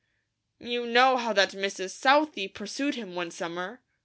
"You know how that Mrs. Southey pursued him one summer.